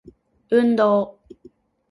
運動